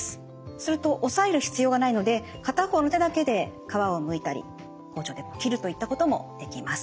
すると押さえる必要がないので片方の手だけで皮をむいたり包丁で切るといったこともできます。